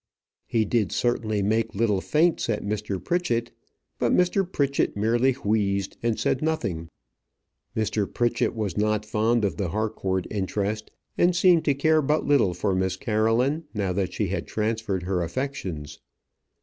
He did certainly make little feints at Mr. Pritchett; but Mr. Pritchett merely wheezed and said nothing. Mr. Pritchett was not fond of the Harcourt interest; and seemed to care but little for Miss Caroline, now that she had transferred her affections.